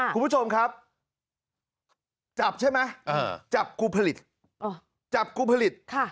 คุณผู้ชมครับจับใช่ไหมจับกูผลิตจับกูผลิต